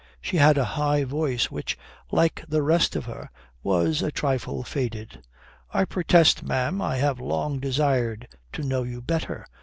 She had a high voice which, like the rest of her, was a trifle faded. "I protest, ma'am, I have long desired to know you better."